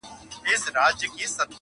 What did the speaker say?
• بیا یې پورته کړو نقاب له سپين رخساره,